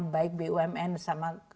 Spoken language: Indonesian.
baik bumn sama